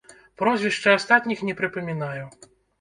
Прозвішчы астатніх не прыпамінаю.